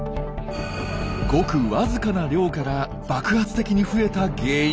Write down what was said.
ごくわずかな量から爆発的に増えた原因。